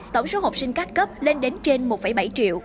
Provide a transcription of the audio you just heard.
tổng số học sinh các cấp lên đến trên một bảy triệu